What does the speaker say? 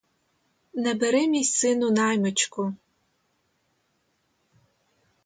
Не бери, мій сину, наймичку!